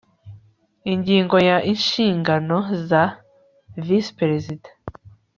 Ingingo ya Inshingano za Visi Perezida